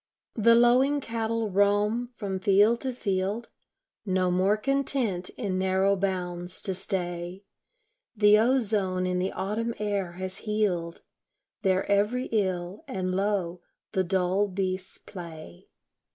The lowing cattle roam from field to field; No more content in narrow bounds to stay; The ozone in the autumn air has healed Their every ill, and lo, the dull beasts play.